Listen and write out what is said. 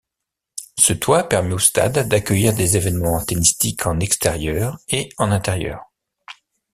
Ce toit permet au stade d'accueillir des évènements tennistiques en extérieur et en intérieur.